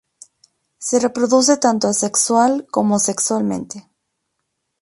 Se reproduce tanto asexual como sexualmente.